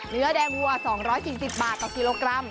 เนื้อแดงวัว๒๔๐บาทต่อกิโลกรัม